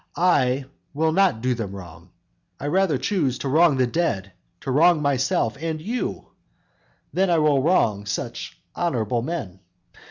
I will not do them wrong; I rather choose To wrong the dead, to wrong myself and you Than I will wrong such honorable men.